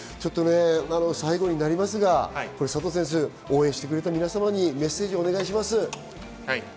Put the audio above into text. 最後になりますが、応援してくれた皆さんにメッセージお願いします。